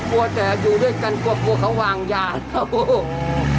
กลัวแต่อยู่ด้วยกันกลัวกลัวเขาวางยาเขา